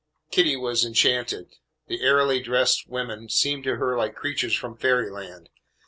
Kitty was enchanted. The airily dressed women seemed to her like creatures from fairy land.